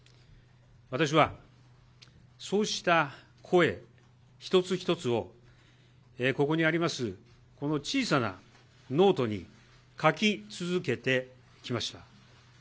私はそうした声一つ一つを、ここにあります、この小さなノートに書き続けてきました。